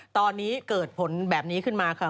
ตอนนี้เกิดผลแบบนี้ขึ้นมาค่ะ